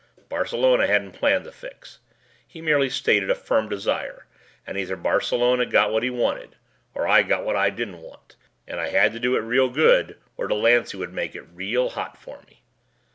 Barcelona hadn't planned the fix, he merely stated a firm desire and either Barcelona got what he wanted or I got what I didn't want, and I had to do it real good or Delancey would make it real hot for me.